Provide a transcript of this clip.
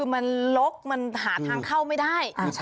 มันลกหาทางเข้าไม่ได้